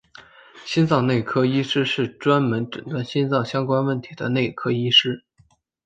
心脏内科医师是专门诊断心脏相关问题的内科医师。